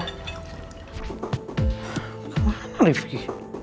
gak mau makan lagi vicky